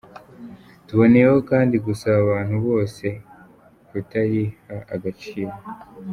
Tuboneyeho kandi gusaba abantu bose kutariha agaciro.